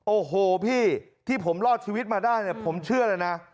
โอ้โหพี่ที่ผมรอดชีวิตมาได้เนี่ยผมเชื่อเลยนะ